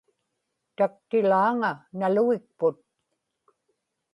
taktilaaŋa nalugikput